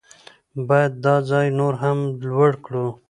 باید دا ځای نور هم لوړ کړو.